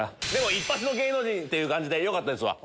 いっぱしの芸能人っていう感じでよかったですわ。